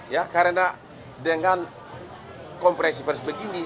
ya karena dengan kompresi pers begini